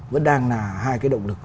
vẫn đang là hai cái động lực